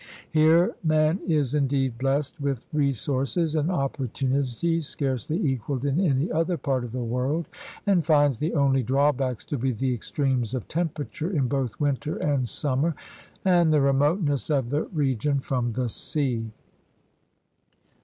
Here man is, indeed, blessed with resources and opportunities scarcely equaled in any other part of the world, and finds the only drawbacks to be the extremes of temperature in both winter and summer and the remoteness of the region from the sea.